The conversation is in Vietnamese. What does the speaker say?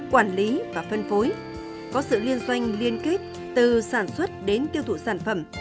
quản lý và phân phối có sự liên doanh liên kết từ sản xuất đến tiêu thụ sản phẩm